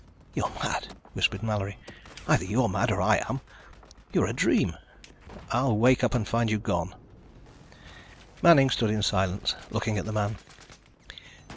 "You're mad," whispered Mallory. "Either you're mad or I am. You're a dream. I'll wake up and find you gone." Manning stood in silence, looking at the man.